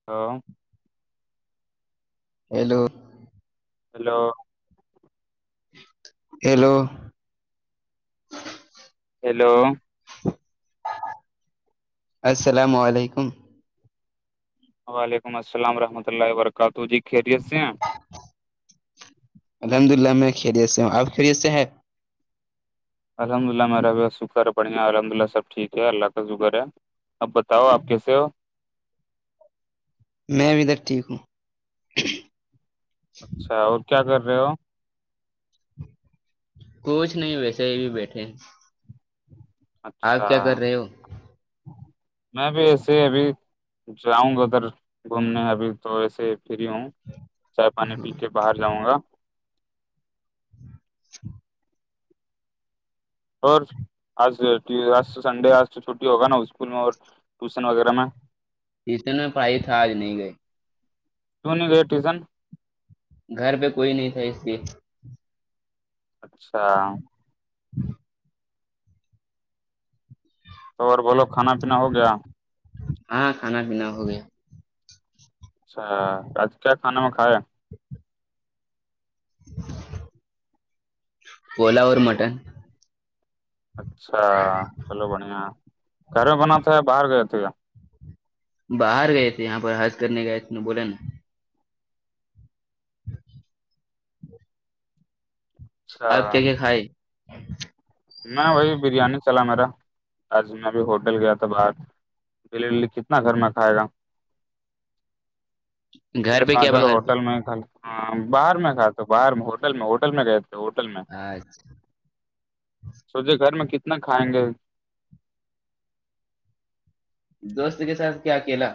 [inaudible] Hello hello hello hello السلام علیکم وعلیکم السلام رحمۃہ اللہ و برکاتہ جی خیریت سے ہیں الحمد اللہ میں خیریت سے ہوں اب خیریت سے ہے الحمد للہ میررت شکر بڑیا الحمد اللہ سب ٹھیک ہے اللہ کا شکر ہے اب بتاؤ آپ کیسے ہو میں بھی ادھر ٹھیک ہوں اچھا اور کیا کر رہے ہو کچھ نہیں ویسے ہی بھی بیٹھے اچھا آپ کیا کر رہے ہو میں بھی ایسے ہی ابھی جاؤں گا ادھر گھومنے ابھی تو ویسے فری ہوں چائے پانی پی ٹیوشن کے باہر جاؤں گا اور آج آج تو سنڈے آج تو چھٹی ہوگا نا اسکول میں اور ٹیوشن وغیرہ میں ٹیوشن میں پڑھائی تھا آج نہیں گئی سونی ریٹیزن گھر پہ کوئی نہیں تھا اس کی اچھا تو اور بولو کھانا پینا ہو گیا ہاں کھانا پینا ہو گیا اچھا آج کیا کھانے میں کھائے ہے پلا اورور مٹن اچھا چلو بڑھیا گھر میں بنا تھا ہے باہر گئے تھ کیا باہر گئے تھے یہاں پر حج کرنے گئے تھے ن بوولے نا ہاں اچھا آپ کیا کیا کھائے میں وہی بریانی چلا میرا آج میں اب ہوٹل گیا تھا باہر بلی کتنا گھر میں کھائے گا اسی گھر لیے پہ سنا کیا چلو باہر پہ ہوٹل میں کل ہاں باہر میں کھاتے باہر میں ہوٹل میں ہوٹل میں گئے تھے ہوٹل میں اچھا سوچے گھر میں کتنا کھائیں گے دوست کے ساتھ کیا اکیلا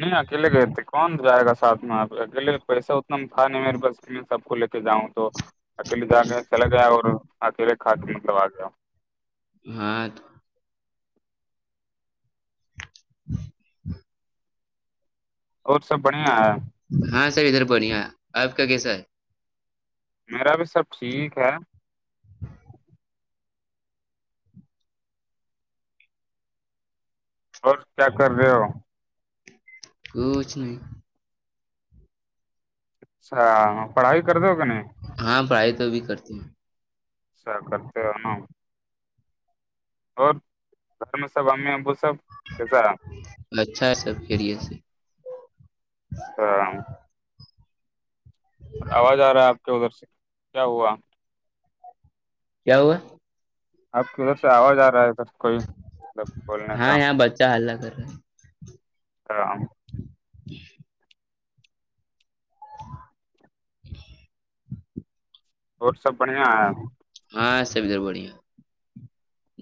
نہیں اکیلے گتے کون جائے گا سھ میں آپ اکیلے پیسے تھا نہیں م بس میں سب کو لے کے جاؤں تو اکیلے جاگے چلا گیا اور اکیلے کات مطلب آ گیا ہاں اور سب بڑھیا ہے ہاں سر ادھر بنیا آپ کا کیسا ہے میرا بھی سب ٹھیک ہے اور کیا کر رہے ہو کچ نہیں اچھا پڑھائی کر دو کہ نہیں ہاں پڑھائی تو بھی کرتی ہوں اچھا کرتے رہ نا اور گھر میں سب امی ابو سب کیسا اچھا ہے سب فریے سے ہاں اور آواز آ رہا ہے آپ کے ادھر سے کیا ہوا کیا ہوا آپ کی ادھر سے آواز آ رہا ہے ادھر کوئی مطلب بولنے ہاں کا اں بچہ ہللہ کرے ہاں ؀ روڈ سب بڑھیا ہے ہاں سب ادھر بڑھیا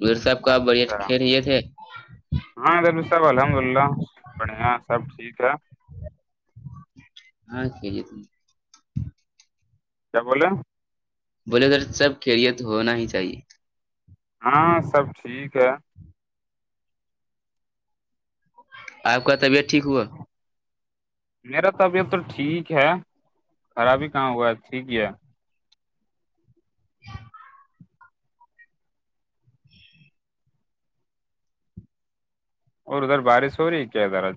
ادھر سب کا بڑھیا اچھا کھیل یہ تھے ہاں د صاحب الحمد للہ بڑھیا سب ٹھیک ہے ہاں کہ کیا بولے ہیں بولے سر سب کیریت ہونا ہی چاہیے ہاں سب ٹھیک ہے آپ کابعت ٹھ ہ ہوا میرا طبیعت تو ٹھیک ہے خرابی کہاں ہوا ہے ٹھیک ہی ہے اور ادھر بارش ہو رہی ہے کیا ادھر آج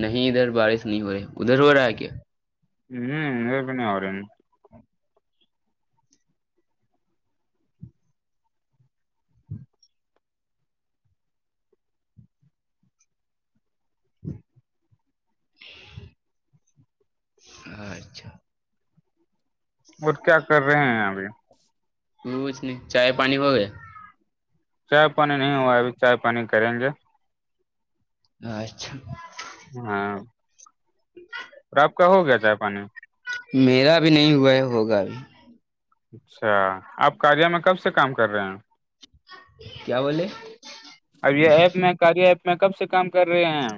نہیں ادھر بارش نہیں ہو رہی ادھر ہو رہا ہے کیا ہوں اپ نہیں ہو رہین اچھا اور کیا کر رہے ہیں ابھی کوچ نہیں چائے پانی ہو گیا چائے پانی نہیں ہوا ابھی چائے پانی کریں گے اچھا ہاں \ اور آپ کا ہو گیا چائےے پانی میرا بھی نہیں ہوا ہے ہوگاب اچھا آپ کاریہ میں کب سے کام کر رہے ہیں کیا بولے اب یہ ایپ میں کاری ایپ میں کب سے کام کر رہے ہیں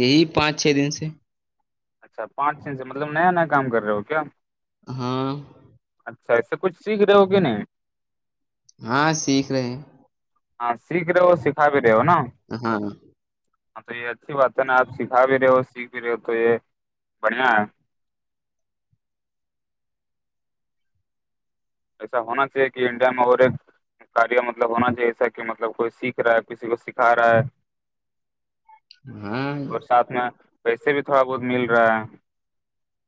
یہی پانچ چھ دن سے اچھا پانچ دن سے مطلب نیا نیا کام کر رہے ہو کیا ہاں اچھا ای سے کچھ سیکھ رہے ہوگے نا ہاں سیکھ رہے ہاں سیک رہے ہو سیکھا بھی رہے ہو نا ہاں ہاں تو یہ اچھی بات ہے نا آ سکھا بھی رہے ہو سیکھ بھی رہ ہو تو یہ بڑھیاں ہے ایسا ہونا چاہیے کہ انڈیا میں اور ایک کاریہ مطلب ہونا چاہیے ایا کہ مطلب کوئی سیکھ رہا ہے کسی کو سکھا رہا ہے ہاں اس میں پیسے بھی تھوڑا بہت مل رہا ہے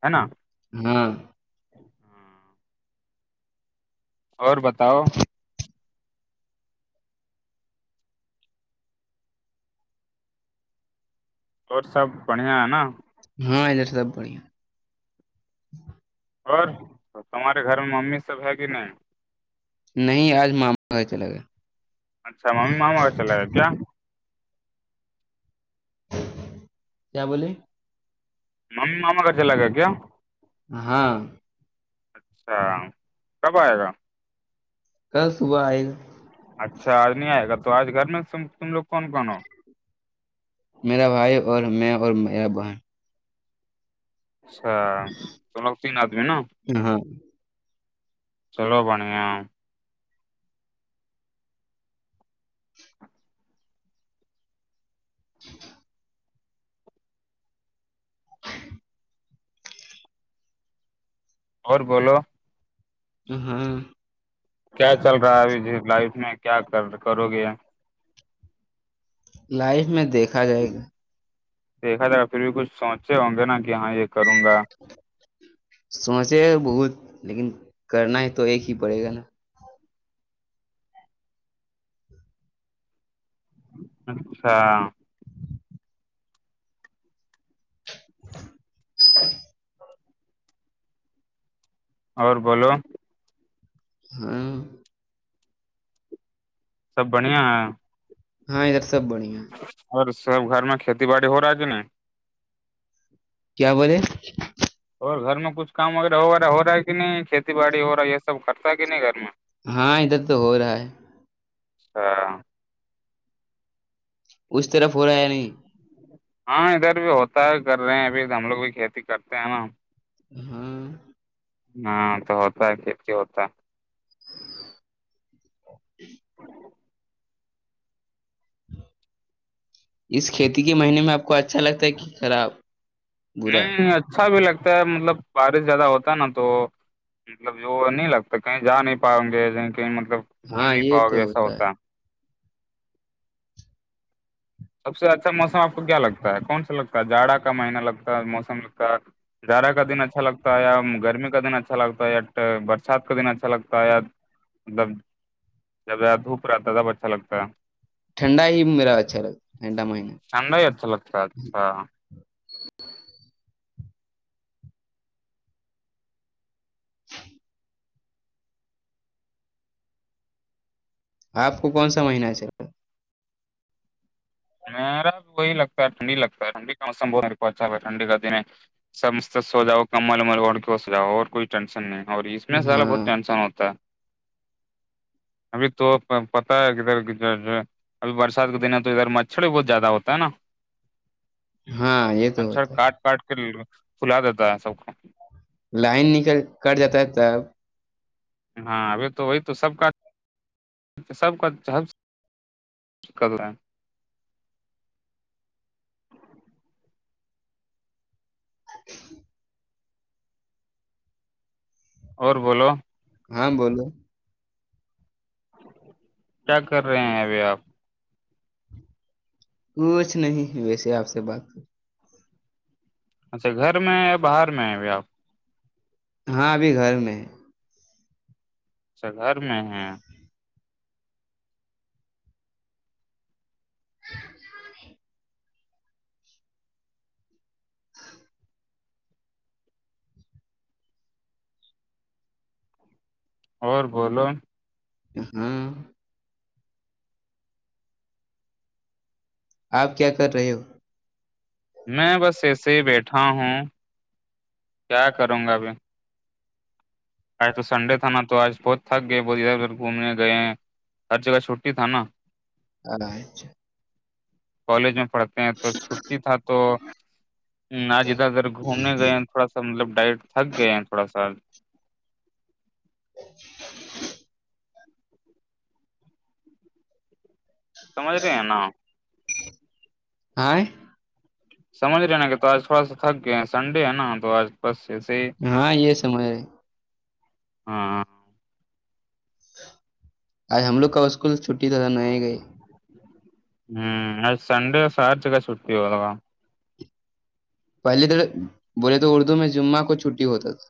ہے نا ہاں اور بتاؤ اور سب بڑھیا ہے نا ہاں ادھر سب بڑھیا اور تمہارے گھر میں ممی سب ہے کہ نہیں نہیں آج ماما کا چلا گیا اچھا ماممی ماما سے چلا گیا کیا کیا بولیے ممی ماما کا چلا گیا کیا ہاں اچھا کب آئے گا کل صبح آئے گا اچھا آج نہیں آئے گا تو آج گھر میں تم لوگ کون کون ہو میرا بھائی اور میں اور میرا بہن اچھا تم لوگ تین آدمی نا ہاں چلو بھڑیا [inaudible] اور بولو ہاں کیا چل رہا ہے ابھی جی لائف میں کیا کر کرو گے لائف میں دیکھا جائے دیکھا جائے رہا پھر بھی کچھ سوچے ہوں گے نا کہ ہاں یہ کروں گا سوچے بہت لیکن کرنا ہے تو ایک ہی پڑے گانا اچھا [inaudible] [inaudible] اور بولو ہاں سب بڑھیا ہے ہاں ادھر سب بڑھیا اور سب گھر میں کھیتی باڑی ہو رہا ہے کہ نہیں کیا بولے اور گھر میں کچھ کام وغیرہ وغیرہ ہو رہا ہے کہ نہیں کھیتی باڑی ہو رہا ہے یہ سب کرتا ہے کہ نہیں گھر میں ہاں ادھر تو ہو رہا ہے ہاں اس طرف ہو رہا ہے یا نہیں ہاں ادھر بھی ہوتا ہے کر رہے ہیں ابھی ہم لوگ بھی کھیتی کرتے ہیں نا ہاں ہاں تو ہوتا ہے کھیتی ہوتا ہے اس کھیتی کے مہینے میں آپ کو اچھا لگتا ہے کہ خراب برا نہیں اچھا بھی لگتا ہے مطلب بارش زیادہ ہوتا ہے نا تو مطلب جو نہیں لگتا کہیں جا نہیں پاؤ گے کہیں کہیں مطلب گھوم ہاں نہیں یہ پاؤ تو گے ایسا ہوتا ہے سب سے اچھا موسم آپ کو کیا لگتا ہے کون سا لگتا ہے جاڑا کا مہینہ لگتا ہے موسم لگتا ہے جڑاہ کا دن اچھا لگتا ہے یا گرمی کا دن اچھا لگتا ہے یا برسات کا دن اچھا لگتا ہے مطلب جب زیادہ دھوپ رہتا ہے تب اچھا لگتا ہے ٹنھڈا ہی میرا اچھا لگتا ٹھنڈا مہینہ ٹھنڈا ہی اچھا لگتا اچھا آپ کو کون سا مہینہ اچھل لگ میرا بھی وہی لگتا ہے ٹنڈی لگتا ہے ٹنڈی کا موسم بہت اچھا ٹھنی کا دن ہے سب سو جاؤ کمل ومل اوڑ کے سو جاؤ اور کوئی ٹینشن نہیں اور اس لگتا میں ہے؟ زیادا بہت ہاں ٹینسن ہوتا ہے [inaudible] ابھی تو پتا ہے کدھر ابھی برسات کے دن ہے تو ادھر مچ مچھر بہت زیادہ ہوتا ہے نا ہاں یہ تو مچھر ہوتا کاٹ کاٹ کر پھلا دیتا ہے سب کو لائن نکل کٹ جاتا ہے تب ہاں ابھی تو وہی تو سب کا سب کا کر رہا [unintelligible] ا اور بولو ہاں بولو [unintelligible] کیا کر رہے ہیں ابھی آپ کچھ نہیں ویسے آپ سے بات اچھا گھر میں ہیں یا باہر میں آ بھی آپ ہاں ابھی گھر میں ہے اچھا گھر میں ہے [inaudible] اور بولو ہاں آپ کیا کر رہے ہو میں بس ایسے ہی بیٹھا ہوں کیا کروں گا ابھی آج تو سنڈے تھا نا تو آج بہت تھک گئے بہت ادھر ادھر گھومنے گئے ہر جگہ چھوٹی تھا نا اچھا کالج میں پڑھتے ہیں تو چھٹی تھا تو آج ادھر ادھر گھومنے گئے ہیں تھوڑا سا مطلب ڈائٹ تھک گئے ہیں تھوڑا سا [inaudible] سمج رہے آئے سمجھ رہے نا کہ تو آج تھوڑا سا تھک گئے سنڈے ہے نا تو آج بس ایسے ہی ہاں یہ سمج ہےے ہاںاں آج ہم لوگ کا اسکول چھٹی تھا تھا نئے گئے ہوں سنڈے چھٹی ہو گا پہلے تو بولے تو اردو میں جمعہ کو چھٹی ہوتا تھا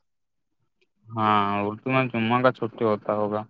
ہاں اردو میں جمعہ کا چھٹی ہوتا ہوگا